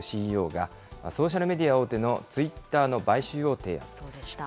ＣＥＯが、ソーシャルメディア大手のツイッターの買収をそうでした。